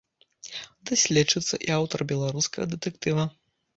Даследчыца і аўтар беларускага дэтэктыва.